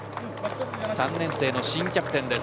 ３年生の新キャプテンです。